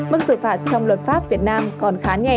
mức xử phạt trong luật pháp việt nam còn khá nhẹ